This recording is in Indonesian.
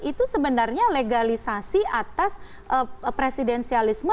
itu sebenarnya legalisasi atas presidensialisme